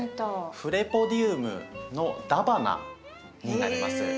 フレポディウムのダバナになります。